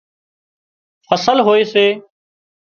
فصل هوئي سي